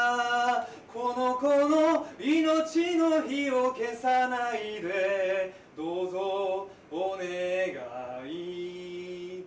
「この子の命の火を消さないでどうぞお願い」